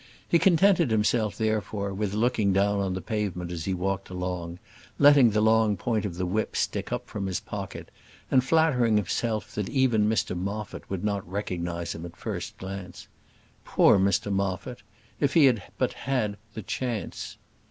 He contented himself, therefore, with looking down on the pavement as he walked along, letting the long point of the whip stick up from his pocket, and flattering himself that even Mr Moffat would not recognise him at the first glance. Poor Mr Moffat! If he had but had the chance!